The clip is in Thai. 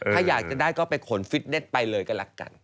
ถ้าอยากจะได้ก็ไปขนฟิตเน็ตไปเลยก็ละกัน